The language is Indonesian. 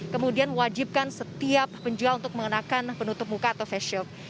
kemudian wajibkan setiap penjual untuk mengenakan penutup muka atau face shield